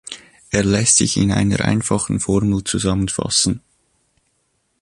Er lässt sich in einer einfachen Formel zusammenfassen.